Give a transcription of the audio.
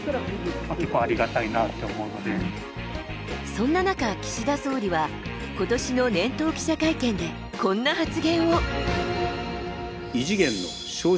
そんな中岸田総理は今年の年頭記者会見でこんな発言を。